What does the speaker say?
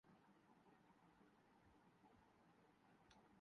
وہ کہتے ہیں۔